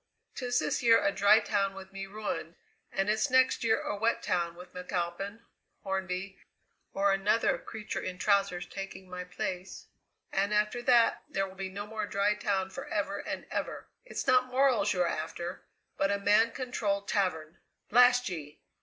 'Tis this year a dry town with me ruined, and it's next year a wet town with McAlpin, Hornby, or another creature in trousers taking my place; and after that there will be no more dry town for ever and ever! It's not morals you are after, but a man controlled tavern. Blast ye!"